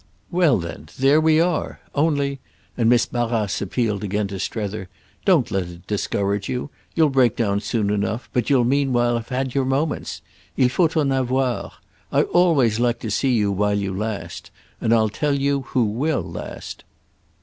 "Well then there we are! Only"—and Miss Barrace appealed again to Strether—"don't let it discourage you. You'll break down soon enough, but you'll meanwhile have had your moments. Il faut en avoir. I always like to see you while you last. And I'll tell you who will last."